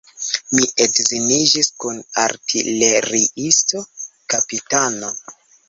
Mi edziniĝis kun artileriisto, kapitano.